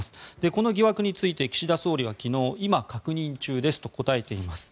この疑惑について岸田総理は昨日今、確認中ですと答えています。